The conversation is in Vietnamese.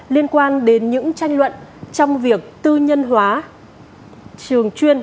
liên quan đến những tranh luận trong việc tư nhân hóa trường chuyên